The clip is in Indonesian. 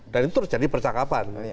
dan itu terjadi percakapan